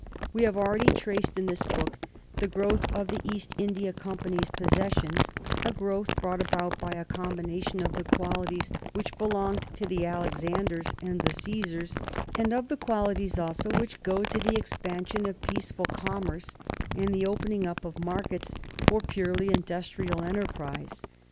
We have already traced, in this book, the growth of the East India Company's possessions, a growth brought about by a combination of the qualities which belonged to the Alexanders and the Caesars, and of the qualities also which go to the expansion of peaceful commerce and the opening up of markets for purely industrial enterprise.